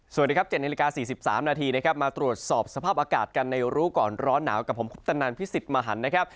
สวัสดีครับ๗นาฬิกา๔๓นาทีนะครับมาตรวจสอบสภาพอากาศกันในรู้ก่อนร้อนหนาวกับผมคุปตนันพิสิทธิ์มหันนะครับ